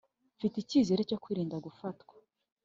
mfite icyizere cyo kwirinda gufatwa